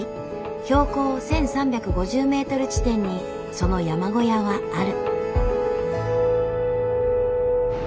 標高１，３５０ｍ地点にその山小屋はある。